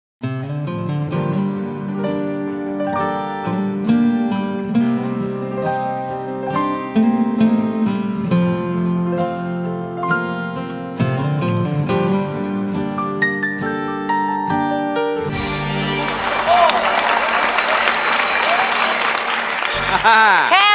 อินโทรเพลงที่๖สองแสน